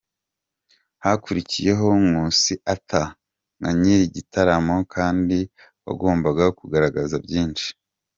Hakurikiyeho Nkusi Arthur nka nyiri igitaramo kandi wagombaga kugaragza byinshi.